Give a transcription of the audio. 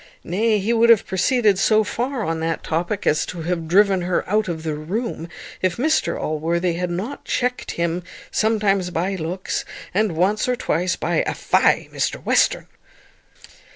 Nay, he would have proceeded so far on that topic as to have driven her out of the room, if Mr Allworthy had not checkt him, sometimes by looks, and once or twice by a "Fie! Mr Western!"